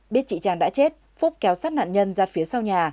biết chị trang đã chết phúc kéo sát nạn nhân ra phía sau nhà